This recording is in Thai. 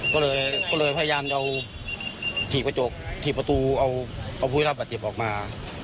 ก็เลยพยายามที่ประตูเอาผู้หญิงราบบาดเจ็บออกมา